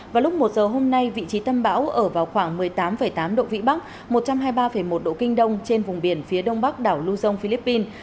vào lúc một giờ hôm nay vị trí tâm bão ở vào khoảng một mươi tám tám độ vĩ bắc một trăm hai mươi ba một độ kinh đông trên vùng biển phía đông bắc đảo luzon philippines